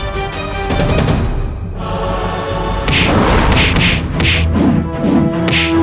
orang yang terbaik